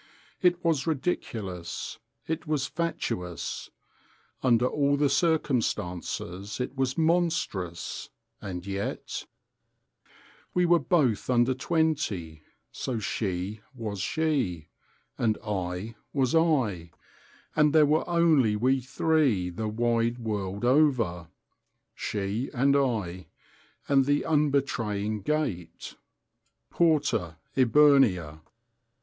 It was ridiculous, it was fatuous, under all the circumstances it was monstrous, and yet{...}! We were both under twenty, so She was She, and I was I, and there were only we three the wide world over, she and I and the unbetraying gate. _Porta eburnea!